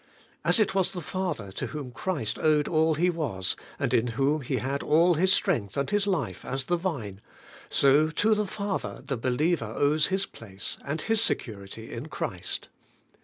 As it was the Father to whom Christ owed all He was, and in whom He had all His strength and His life as the Vine, so to the Father the believer owes his place and his security in Christ.